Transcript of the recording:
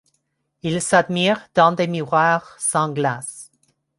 Ils s’admirent dans des miroirs sans glace.